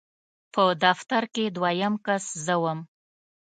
په دفتر کې دویم کس زه وم.